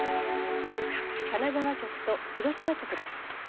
金沢局と広島局です。